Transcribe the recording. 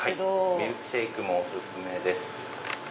ミルクシェイクもお薦めです。